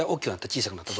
小さくなった。